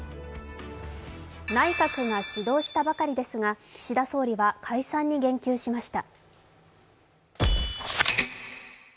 内閣が始動したばかりですが、岸田総理は解散に言及しました。